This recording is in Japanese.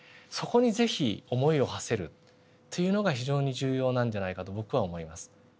そこに是非思いをはせるっていうのが非常に重要なんじゃないかと僕は思います。